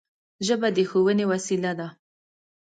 ژبه د ښوونې وسیله ده